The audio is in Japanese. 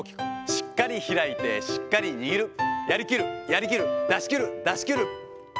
しっかり開いてしっかり握る、やりきる、やりきる、出しきる、出しきる。